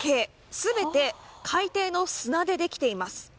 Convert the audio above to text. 全て海底の砂でできています。